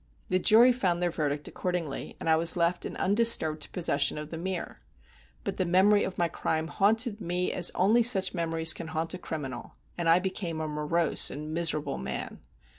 The jury found their verdict accordingly, and I was left in undisturbed possession of The Mere. But the memory of my crime haunted me as only such memories can haunt a criminal, and I became a morose and miserable man.